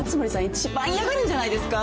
一番嫌がるんじゃないですか？